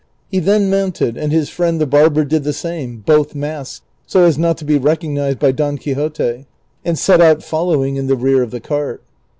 He then mounted and his friend the barber did the same, both masked, so as not to be recognized by Don Quixote, and set out fol lowing in the rear of the cart.